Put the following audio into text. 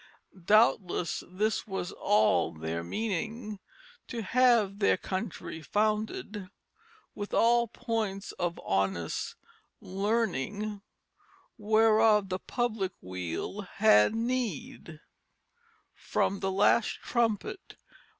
_ _Doubtless this was all their meaning, To have their countrie founded With all poyntes of honest lernynge Whereof the public weal had nede._ _The Last Trumpet.